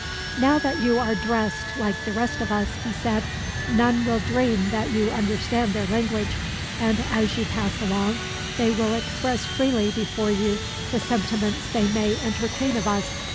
"Now that you are dressed like the rest of us," he said, "none will dream that you understand their language, and as you pass along they will express freely before you the sentiments they may entertain of us.